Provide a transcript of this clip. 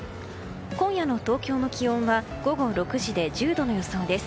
今夜の東京の気温は午後６時で１０度の予想です。